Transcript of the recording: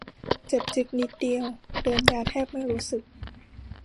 เจ็บจึ๊กนิดเดียว เดินยาแทบไม่รู้สึก